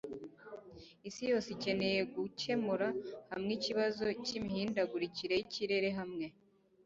Isi yose ikeneye gukemura hamwe ikibazo cy’imihindagurikire y’ikirere hamwe